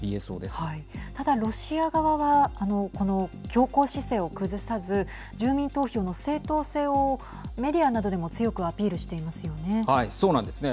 ただロシア側はこの強硬姿勢を崩さず住民投票の正当性をメディアなどでも強くアピールしていますよね。